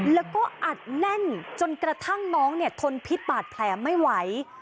แล้วก็อัดแน่นจนกระทั่งน้องเนี่ยทนพิษบาดแผลไม่ไหว